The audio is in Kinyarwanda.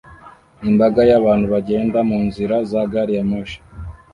Imbaga y'abantu bagenda munzira za gari ya moshi